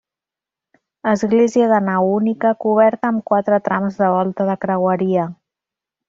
Església de nau única, coberta amb quatre trams de volta de creueria.